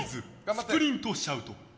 スプリントシャウト。